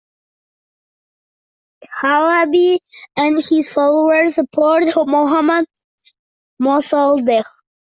Halabi and his followers supported Mohammad Mosaddegh.